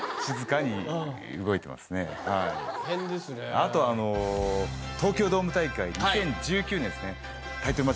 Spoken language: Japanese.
あと東京ドーム大会２０１９年ですね。